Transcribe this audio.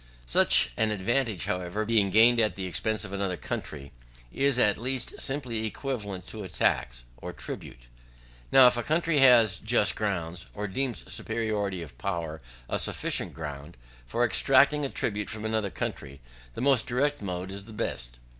Such an advantage, however, being gained at the expense of another country, is, at the least, simply equivalent to a tax, or tribute. Now, if a country has just grounds, or deems superiority of power a sufficient ground, for exacting a tribute from another country, the most direct mode is the best.